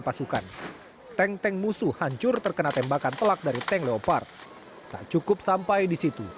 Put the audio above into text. pasukan tank tank musuh hancur terkena tembakan telak dari tank leopard tak cukup sampai di situ